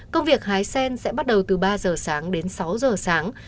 công việc hái sen sẽ bắt đầu từ ba giờ sáng đến sáu giờ sáng